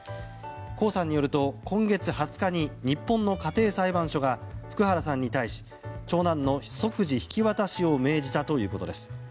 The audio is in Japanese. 江さんによると今月２０日に日本の家庭裁判所が福原さんに対し長男の即時引き渡しを命じたということです。